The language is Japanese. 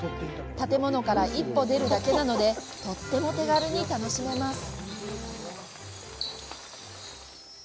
建物から一歩出るだけなのでとっても手軽に楽しめます。